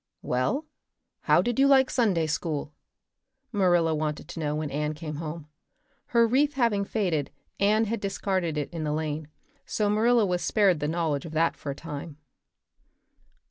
"Well, how did you like Sunday school?" Marilla wanted to know when Anne came home. Her wreath having faded, Anne had discarded it in the lane, so Marilla was spared the knowledge of that for a time.